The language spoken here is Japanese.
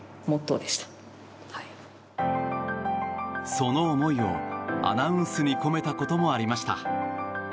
その思いをアナウンスに込めたこともありました。